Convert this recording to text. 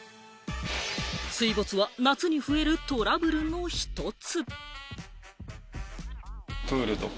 水没は夏に増えるトラブルの１つ。